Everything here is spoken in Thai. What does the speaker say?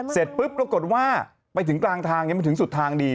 เสร็จปุ๊บปรากฏว่าไปถึงกลางทางมันถึงสุดทางดี